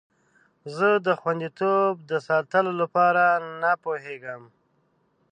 زه د خوندیتوب د ساتلو لپاره نه پوهیږم.